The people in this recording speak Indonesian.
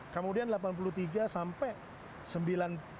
kemudian delapan puluh tiga sampai sembilan puluh